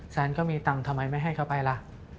แซนก็มีตังค์ทำไมไม่ให้เขาไปล่ะ